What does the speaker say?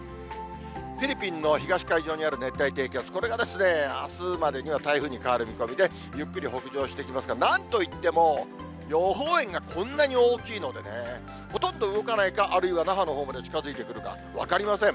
フィリピンの東海上にある熱帯低気圧、これがあすまでには台風に変わる見込みで、ゆっくり北上してきますから、なんといっても予報円がこんなに大きいのでね、ほとんど動かないか、あるいは那覇のほうまで近づいてくるか分かりません。